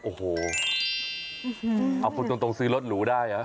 โอ้โหคุณตรงซื้อรถหรูได้อ่ะ